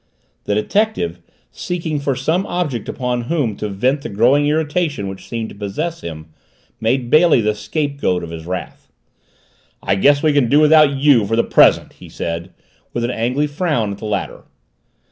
The detective, seeking for some object upon whom to vent the growing irritation which seemed to possess him, made Bailey the scapegoat of his wrath. "I guess we can do without you for the present!" he said, with an angry frown at the latter.